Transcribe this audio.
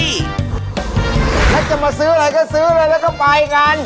ถ้าจะมาซื้ออะไรก็ซื้อเลยแล้วก็ไปกัน